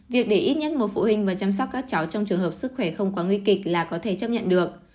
việc để ít nhất một phụ huynh và chăm sóc các cháu trong trường hợp sức khỏe không quá nguy kịch là có thể chấp nhận được